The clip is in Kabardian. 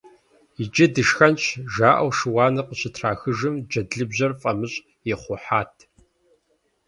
Иджы дышхэнщ! - жаӀэу шыуаныр къыщытрахыжым, джэдлыбжьэр фӀамыщӀ ихъухьат.